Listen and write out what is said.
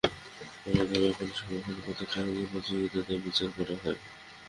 কোন গ্রাম পানি সংরক্ষণে কতটা এগিয়ে, প্রতিযোগিতায় তা বিচার করা হয়।